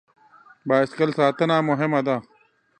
بایسکل ساتنه مهمه ده.